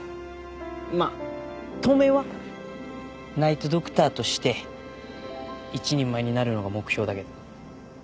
まあ当面はナイト・ドクターとして一人前になるのが目標だけど。